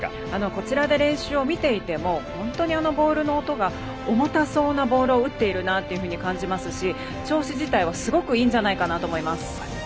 こちらで練習を見ていても音が重たそうなボールを打っているなと感じますし調子自体はすごくいいんじゃないかなと思います。